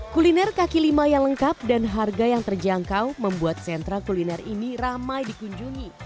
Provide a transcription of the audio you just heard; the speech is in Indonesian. kuliner kaki lima yang lengkap dan harga yang terjangkau membuat sentra kuliner ini ramai dikunjungi